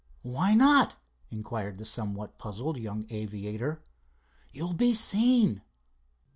"Why not?" inquired the somewhat puzzled young aviator. "You'll be seen."